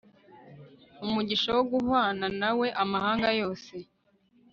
umugisha wo guhwana na we Amahanga yose